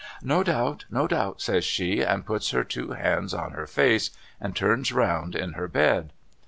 ' No doubt, no doubt,' says she, and puts her two hands on her face and turns round in her bed.